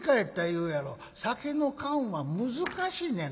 酒の燗は難しいねん。